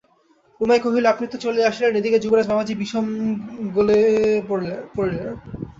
রমাই কহিল, আপনি তো চলিয়া আসিলেন, এদিকে যুবরাজ বাবাজি বিষম গোলে পড়িলেন।